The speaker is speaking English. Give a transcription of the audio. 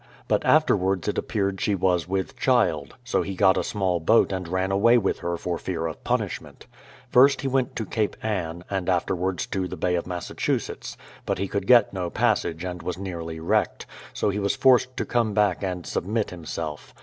But afterwards it appeared she was with child, so he got a small boat and ran away with her for fear of punishment. First he went to Cape Ann, and afterwards to the Bay of Massachusetts ; but he could get no passage and was nearly wrecked, so he was forced to come back and submit himself.